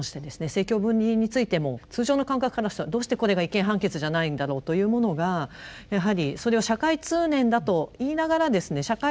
政教分離についても通常の感覚からしたらどうしてこれが違憲判決じゃないんだろうというものがやはりそれは社会通念だと言いながらですね